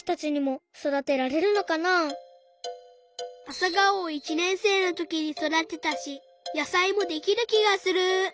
アサガオを１ねんせいのときにそだてたし野さいもできるきがする。